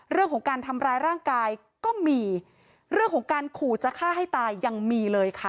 เรื่องของการทำร้ายร่างกายก็มีเรื่องของการขู่จะฆ่าให้ตายยังมีเลยค่ะ